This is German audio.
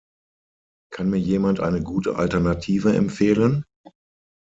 Kann mir jemand eine gute Alternative empfehlen?